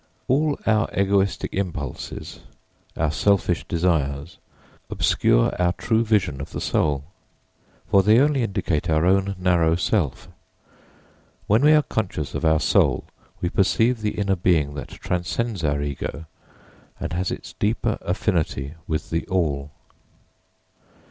All our egoistic impulses, our selfish desires, obscure our true vision of the soul. For they only indicate our own narrow self. When we are conscious of our soul, we perceive the inner being that transcends our ego and has its deeper affinity with the All.